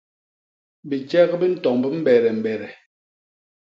Bijek bi ntomb mbedembede.